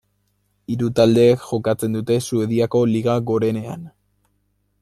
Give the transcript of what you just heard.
Hiru taldek jokatzen dute Suediako liga gorenean.